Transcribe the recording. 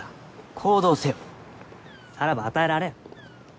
行動せよさらば与えられん。